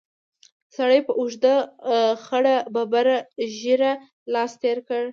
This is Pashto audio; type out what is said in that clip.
سړي په اوږده خړه ببره ږېره لاس تېر کړ.